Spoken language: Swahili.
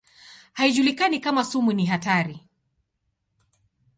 Haijulikani kama sumu ni hatari.